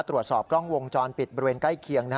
ตรวจสอบกล้องวงจรปิดบริเวณใกล้เคียง